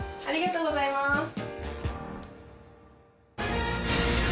ありがとうございます。